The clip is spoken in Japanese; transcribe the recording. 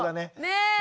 ねえ。